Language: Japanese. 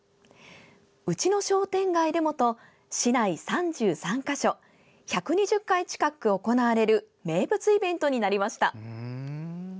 うちの商店街でも！と市内３３か所１２０回近く行われる名物イベントになりました。